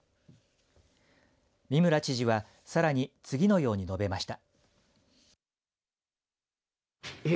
三村知事は、さらに次のように述べました。